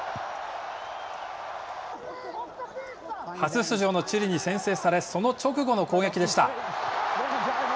初出場のチリに先制されその直後の攻撃でした。